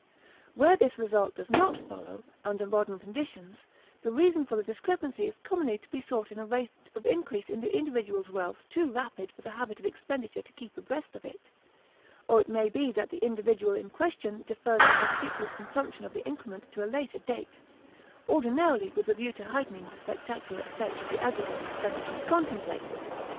Where this result does not follow, under modern conditions, the reason for the discrepancy is commonly to be sought in a rate of increase in the individual's wealth too rapid for the habit of expenditure to keep abreast of it; or it may be that the individual in question defers the conspicuous consumption of the increment to a later date ordinarily with a view to heightening the spectacular effect of the aggregate expenditure contemplated.